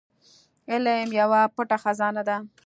علم يوه پټه خزانه ده.